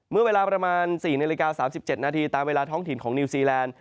เมื่อเวลาประมาณ๔นาฬิกา๓๗นาทีตามเวลาท้องถิ่นของนิวซีแลนด์